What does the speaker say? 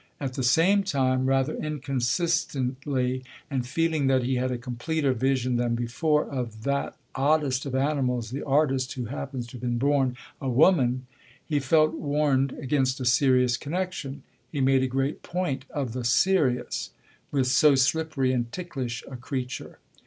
At the same time, rather inconsistently and feeling that he had a completer vision than before of that oddest of animals the artist who happens to have been born a woman, he felt warned against a serious connexion he made a great point of the "serious" with so slippery and ticklish a creature.